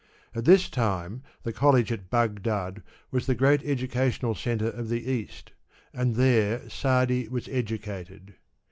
At this time the college at Baghdad was the great educational centre of the East, and there Sa^di was educated.